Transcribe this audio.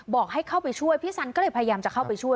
บอกให้เข้าไปช่วยพี่สันก็เลยพยายามจะเข้าไปช่วย